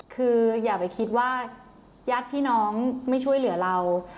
คืออย่าไปคิดว่าญาติพี่น้องไม่ช่วยเหลือเรา